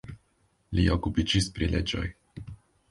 Li okupiĝis pri leĝoj.